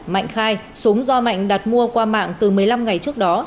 mạnh khai súng do mạnh đặt mua qua mạng từ một mươi năm ngày trước đó